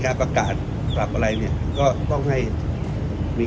การประชุมเมื่อวานมีข้อกำชับหรือข้อกำชับอะไรเป็นพิเศษ